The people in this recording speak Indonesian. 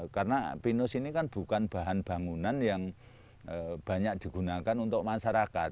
karena pinus ini kan bukan bahan bangunan yang banyak digunakan untuk masyarakat